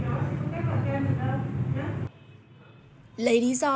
chị nói chị không kết quả cho em được đâu